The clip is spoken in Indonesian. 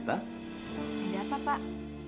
tidak apa apa pak